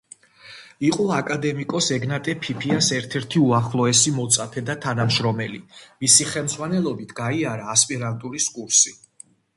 იყო აკადემიკოს ეგნატე ფიფიას ერთ-ერთი უახლოესი მოწაფე და თანამშრომელი, მისი ხელმძღვანელობით გაიარა ასპირანტურის კურსი.